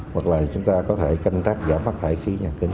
hoặc là chúng ta có thể canh tác giảm phát thải khí nhà kính